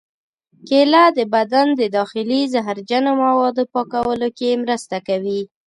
کېله د بدن د داخلي زهرجنو موادو پاکولو کې مرسته کوي.